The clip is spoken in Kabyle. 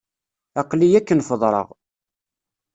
Aql-iyi akken feḍreɣ.